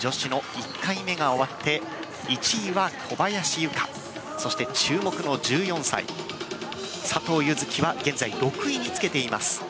女子の１回目が終わって１位は小林諭果そして注目の１４歳、佐藤柚月は現在、６位につけています。